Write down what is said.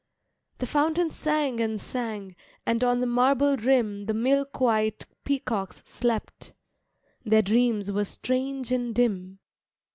The fountain sang and sang And on the marble rim The milk white peacocks slept, Their dreams were strange and dim.